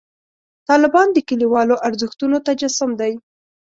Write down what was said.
طالبان د کلیوالو ارزښتونو تجسم دی.